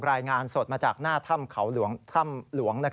รายงานสดมาจากหน้าถ้ำเขาถ้ำหลวง